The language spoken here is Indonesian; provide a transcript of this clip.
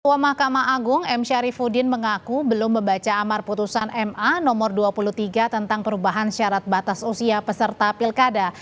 ketua mahkamah agung m syarifudin mengaku belum membaca amar putusan ma nomor dua puluh tiga tentang perubahan syarat batas usia peserta pilkada